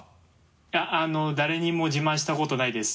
いや誰にも自慢したことないです。